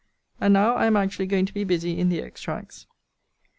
And now I am actually going to be busy in the extracts.